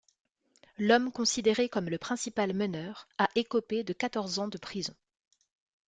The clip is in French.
L'homme considéré comme le principal meneur a écopé de quatorze ans de prison.